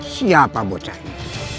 siapa bocah ini